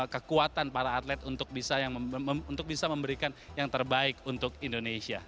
kekuatan para atlet untuk bisa memberikan yang terbaik untuk indonesia